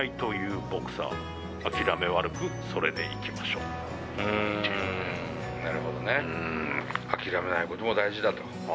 うーんなるほどね。諦めないことも大事だと。